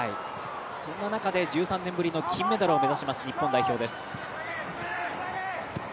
そんな中で１３年ぶりの金メダルを目指します日本代表です。